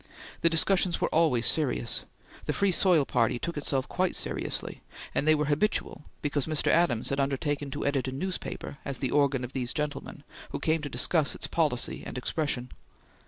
The discussions were always serious; the Free Soil Party took itself quite seriously; and they were habitual because Mr. Adams had undertaken to edit a newspaper as the organ of these gentlemen, who came to discuss its policy and expression.